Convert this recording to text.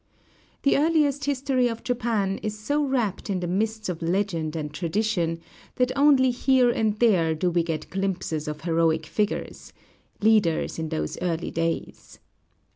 The earliest history of Japan is so wrapped in the mists of legend and tradition that only here and there do we get glimpses of heroic figures, leaders in those early days.